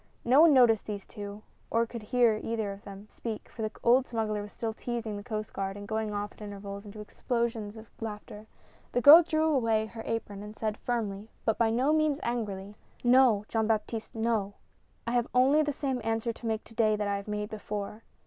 No one noticed these two, or could hear either of them speak, for the old smuggler was still teasing the Coast Guard, and going off at intervals into explosions of laughter — the girl drew away her apron and said firmly but by no means angrily ; "No, Jean Baptiste — no — I have only the same answer to make to day that I have made before."